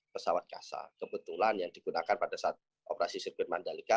pesawat kasa kebetulan yang digunakan pada saat operasi sirkuit mandalika